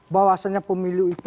bahwasannya pemilu itu